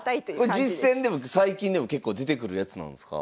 これ実戦でも最近でも結構出てくるやつなんですか？